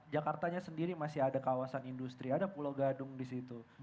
jakartanya sendiri masih ada kawasan industri ada pulau gadung di situ